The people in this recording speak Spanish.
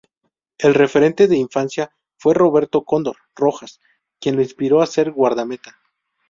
El referente de infancia fue Roberto "Cóndor" Rojas quien lo inspiró a ser guardameta.